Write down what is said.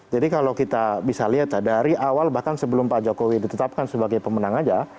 jadi kalau kita bisa lihat dari awal bahkan sebelum pak jokowi ditetapkan sebagai pemenang aja